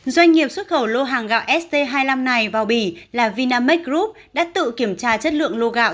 doanh nghiệp xuất khẩu lô hàng gạo st hai mươi năm này vào bỉ là vinamex group đã tự kiểm tra chất lượng lô gạo